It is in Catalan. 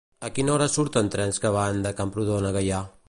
A quina hora surten trens que van de Camprodon a Gaià?